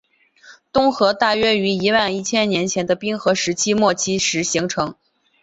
东河大约于一万一千年前冰河时期末期时形成。